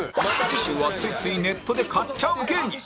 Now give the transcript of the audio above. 次週はついついネットで買っちゃう芸人